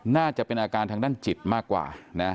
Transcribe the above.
น่าจะเป็นอาการทางด้านจิตมากกว่านะ